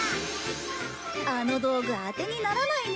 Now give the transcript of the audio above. あの道具当てにならないね。